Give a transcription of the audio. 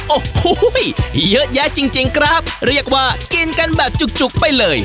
โอ้โหมีเยอะแยะจริงครับเรียกว่ากินกันแบบจุกไปเลย